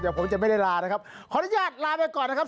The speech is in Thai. เดี๋ยวผมจะไม่ได้ลานะครับขออนุญาตลาไปก่อนนะครับ